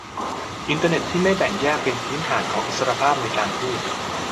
อินเตอร์เน็ตที่ไม่แบ่งแยกเป็นพื้นฐานของอิสรภาพในการพูด